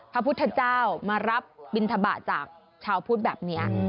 พระพุทธเจ้ามารับบินทบาทจากชาวพุทธแบบนี้